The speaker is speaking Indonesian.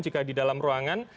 jika di dalam ruangan